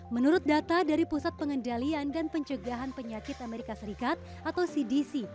menurut data dari pusat pengendalian dan pencegahan penyakit amerika serikat atau cdc